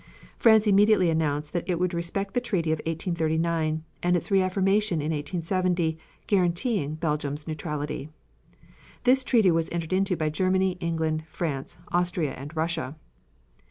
France immediately announced that it would respect the treaty of 1839 and its reaffirmation in 1870 guaranteeing Belgium's neutrality. This treaty was entered into by Germany, England, France, Austria and Russia.